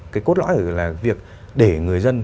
cái cốt lõi là việc để người dân